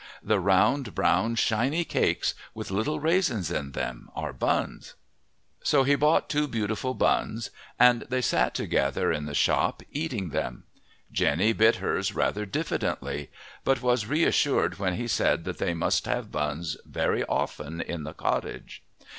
The round, brown, shiny cakes, with little raisins in them, are buns." So he bought two beautiful buns, and they sat together in the shop, eating them. Jenny bit hers rather diffidently, but was reassured when he said that they must have buns very often in the cottage.